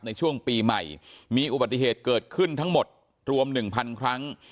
ในช่วงปีใหม่มีอุบัติเหตุเกิดขึ้นทั้งหมดรวม๑๐๐๐ครั้ง